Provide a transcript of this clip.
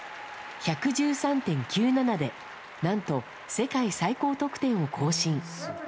１１３．９７で、なんと世界最高得点を更新。